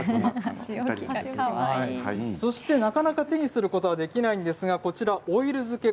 そしてなかなか手にすることができないんですが、オイル漬け。